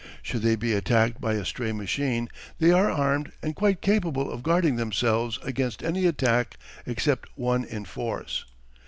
Should they be attacked by a stray machine they are armed and quite capable of guarding themselves against any attack except one in force.